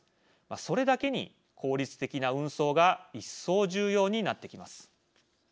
それだけに効率的な運送が一層重要になってきます。